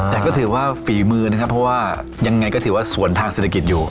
แต่ก็ถือว่าฝีมือนะครับเพราะว่ายังไงก็ถือว่าสวนทางเศรษฐกิจอยู่